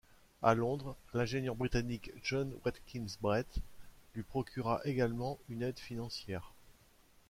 À Londres, l’ingénieur britannique John Watkins Brett lui procura également une aide financière.